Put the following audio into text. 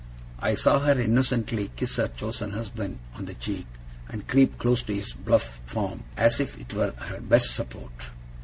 I saw her innocently kiss her chosen husband on the cheek, and creep close to his bluff form as if it were her best support.